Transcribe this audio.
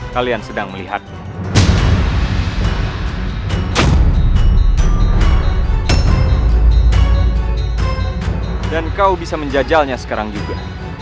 kalian sedang melihatnya dan kau bisa menjajalnya sekarang juga